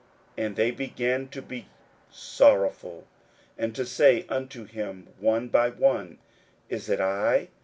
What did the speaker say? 41:014:019 And they began to be sorrowful, and to say unto him one by one, Is it I?